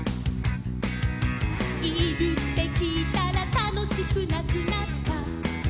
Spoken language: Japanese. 「いるってきいたらたのしくなくなった」